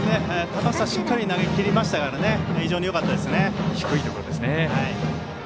高さしっかり投げきりましたので非常によかったですね。